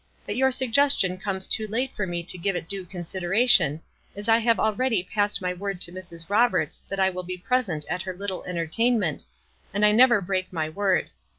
"But your suggestion comes too late for me to g;ive it due consideration, as I have already passed my word to Mrs. Roberts that I will be present at her little entertainment, and I never break my word.